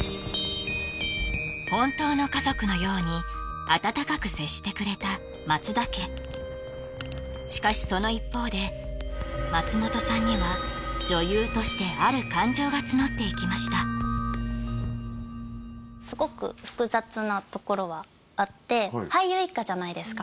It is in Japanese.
本当の家族のように温かく接してくれた松田家しかしその一方で松本さんには女優としてある感情が募っていきましたすごく複雑なところはあって俳優一家じゃないですか